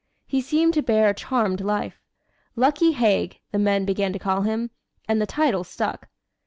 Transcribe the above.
He seemed to bear a charmed life. "Lucky Haig," the men began to call him, and the title stuck.